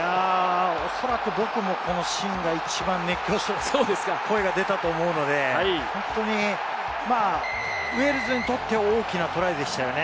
おそらく僕もこのシーンが一番熱狂した声が出たと思うので、本当にウェールズにとって大きなトライでしたよね。